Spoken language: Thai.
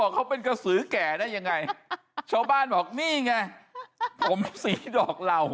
เห็นไหมล่ะ